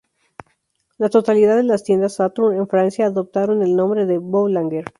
La totalidad de las tiendas "Saturn" en Francia adoptaron el nombre de "Boulanger".